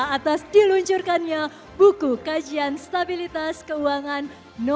atas diluncurkannya buku kajian stabilitas keuangan nomor empat puluh